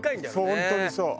本当にそう。